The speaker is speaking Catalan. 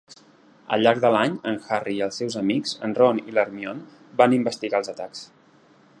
Al llarg de l'any, en Harry i els seus amics, en Ron i l'Hermione, van investigar els atacs.